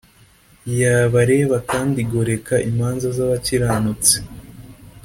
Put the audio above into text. y abareba kandi igoreka imanza z abakiranutsi